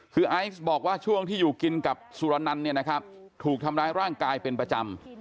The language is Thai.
คือไอซ์บอกว่าช่วงที่อยู่กินกับสุรนันต์เนี่ยนะครับถูกทำร้ายร่างกายเป็นประจำ